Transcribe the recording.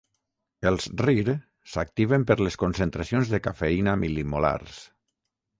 Els RyR s'activen per les concentracions de cafeïna mil·limolars.